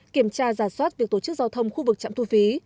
kiểm tra giả soát việc tổ chức giao thông khu vực trạm thu phí